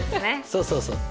そうそうそう。